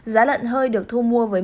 giá lợn hơi được thu mua với